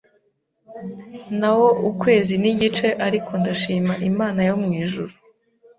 na wo ukwezi n’igice ariko ndashima Imana yo mu ijuru